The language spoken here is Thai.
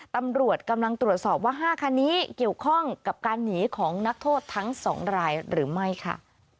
ตำรวจกำลังตรวจสอบว่า๕คันนี้เกี่ยวข้องกับการหนีของนักโทษทั้ง๒รายหรือไม่ค่ะ